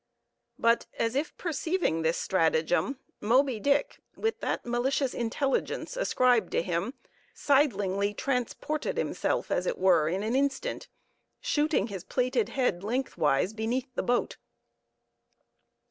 But as if perceiving this stratagem, Moby Dick, with that malicious intelligence ascribed to him, sidelingly transplanted himself, as it were, in an instant, shooting his plated head lengthwise beneath the boat.